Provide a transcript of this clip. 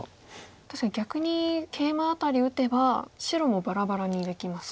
確かに逆にケイマあたり打てば白もばらばらにできますか。